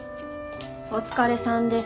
お疲れさんです。